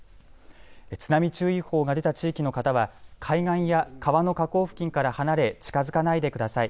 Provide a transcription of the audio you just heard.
津波注意報が出た地域の方は海岸や川の河口付近から離れ近づかないでください。